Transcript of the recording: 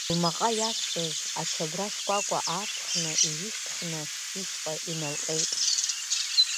Лмаҟа иавҵаз ачабра шкәакәа аавҵхны иҩышьҭхны ишҟа иналҟьеит.